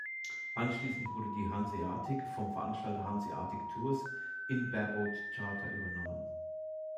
Anschließend wurde die "Hanseatic" vom Veranstalter Hanseatic Tours in Bareboat-Charter übernommen.